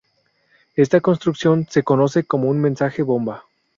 Esta construcción se conoce como un mensaje bomba.